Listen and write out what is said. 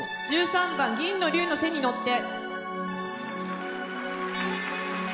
１３番「銀の龍の背に乗って」。